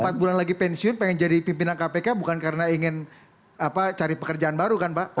empat bulan lagi pensiun pengen jadi pimpinan kpk bukan karena ingin cari pekerjaan baru kan pak